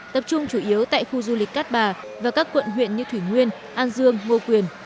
tập trung chủ yếu tại khu du lịch cát bà và các quận huyện như thủy nguyên an dương ngô quyền